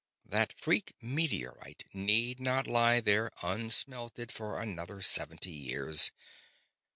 That freak meteorite need not lie there unsmelted for another seventy years.